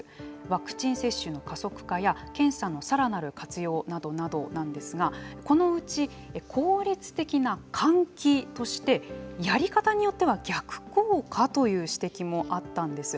ワクチン接種の加速化や検査のさらなる活用などなどなんですがこのうち効率的な換気としてやり方によっては逆効果？という指摘もあったんです。